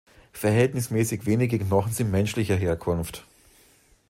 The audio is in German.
Verhältnismäßig wenige Knochen sind menschlicher Herkunft.